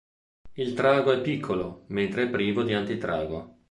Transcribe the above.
Il trago è piccolo, mentre è privo di antitrago.